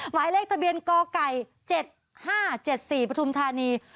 หมายเลขทะเบียนกไก่๗๕๗๔ปฐุมธานี